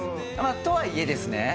とはいえですね